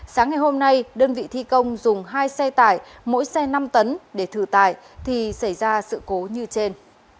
sáng ngày hôm nay đơn vị thi công dùng hai xe tải mỗi xe năm tấn để thử tải thì xảy ra sự cố như trên